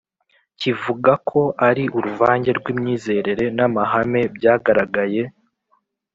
kivuga ko ari uruvange rw’imyizerere n’amahame byagaragaye